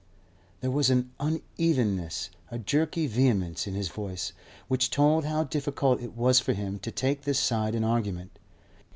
There was an unevenness, a jerky vehemence, in his voice, which told how difficult it was for him to take this side in argument.